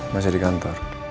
masih di kantor